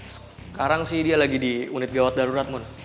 sekarang sih dia lagi di unit gawat darurat pun